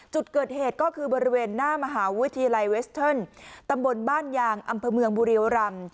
จุดเกิดเหตุก็คือบริเวณหน้ามหาวิทยาลัยเวสเทิร์นตำบลบ้านยางอำเภอเมืองบุรีรำ